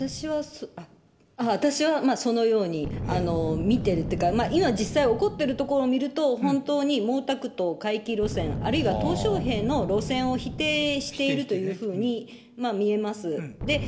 私はそのように見てるっていうか、今実際に起こってるところを見ると、本当に毛沢東回帰路線、あるいはとう小平の路線を否定しているというふうに見えます。